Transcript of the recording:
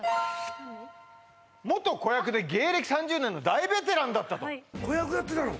元・子役で芸歴３０年の大ベテランだったと子役やってたの？